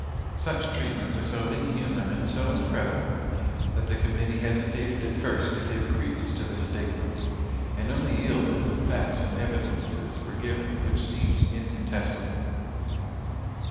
Such treatment was so inhuman and so incredible, that the Committee hesitated at first to give credence to the statement, and only yielded when facts and evidences were given which seemed incontestible.